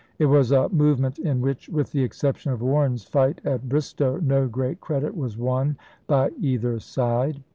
It was a movement in which, with the exception of Warren's fight at Bristoe, no great credit was won by either side.